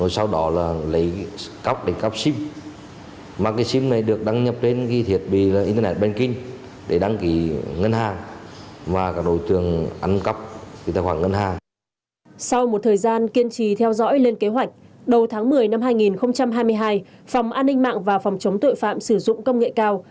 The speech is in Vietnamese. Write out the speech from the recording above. sau một thời gian kiên trì theo dõi lên kế hoạch đầu tháng một mươi năm hai nghìn hai mươi hai phòng an ninh mạng và phòng chống tội phạm sử dụng công nghệ cao